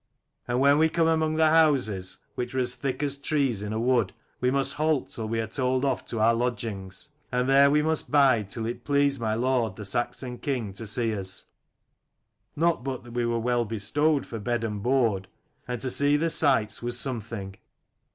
And when we come among the houses, which were D 25 as thick as trees in a wood, we must halt till we are told off to our lodgings : and there we must bide till it please my lord the Saxon king to see us. Not but that we were well bestowed for bed and board : and to see the sights was something.